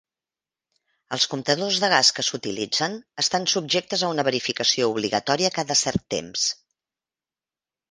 Els comptadors de gas que s'utilitzen estan subjectes a una verificació obligatòria cada cert temps.